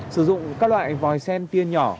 sử dụng các loại vòi sen tia nhỏ